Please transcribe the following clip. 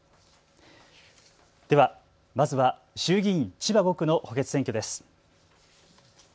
では、まずは衆議院千葉５区の補欠選挙です。